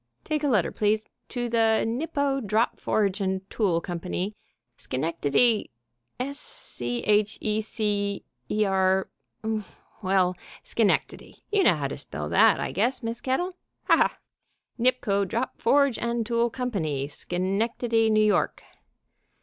Take a letter, please ... to the Nipco Drop Forge and Tool Company, Schenectady ... S c h e c er well, Schenectady; you know how to spell that, I guess, Miss Kettle, ha! ha!... Nipco Drop Forge and Tool Company, Schenectady, New York....